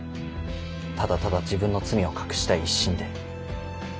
ただただ自分の罪を隠したい一心で。